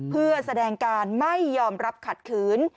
เพื่อแสดงการไม่ยอมรับขัดขืน